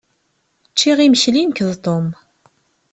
Ččiɣ imekli nekk d Tom.